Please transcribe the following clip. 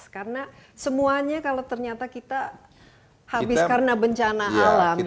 karena semuanya kalau ternyata kita habis karena bencana halam